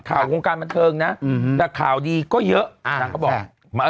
ข่าวโครงการบันเทิงนะแต่ข่าวดีก็เยอะ